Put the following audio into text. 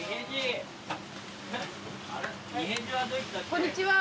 こんにちは。